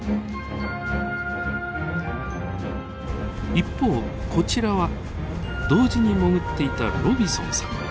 一方こちらは同時に潜っていたロビソンさん。